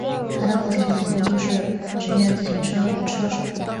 他的父亲和祖父都是职业自行车车手。